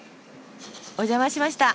お邪魔しました。